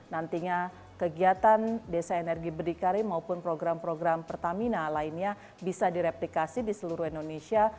nantinya kegiatan desa energi berdikari maupun program program pertamina lainnya bisa direplikasi di seluruh indonesia